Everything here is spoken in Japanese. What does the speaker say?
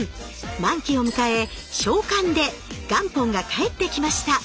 満期を迎え償還で元本が返ってきました。